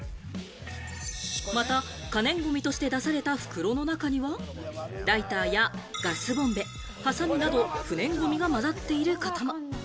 また、可燃ごみとして出された袋の中には、ライターやガスボンベ、ハサミなど不燃ごみがまざっていることも。